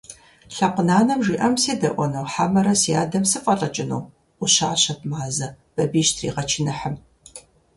Лъэпкъ нанэм жиӀам седэӀуэну хьэмэрэ си адэм сыфӀэлӀыкӀыну?! – Ӏущэщат Мазэ, Бабий щытригъэчыныхьым.